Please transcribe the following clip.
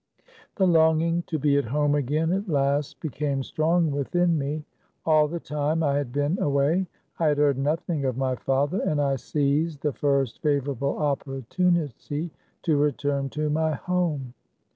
The longing to be at home again at last be came strong within me. All the time I had been away I had heard nothing of my father; and I seized the first favorable opportunity to return to my home.